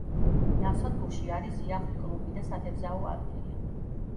ნავსადგურში არის იახტ-კლუბი და სათევზაო ადგილი.